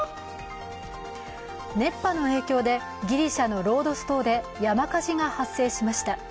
熱波の影響でギリシャのロードス島で山火事が発生しました。